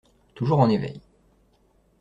Toujours en éveil